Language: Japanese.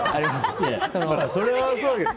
それはそうだけど。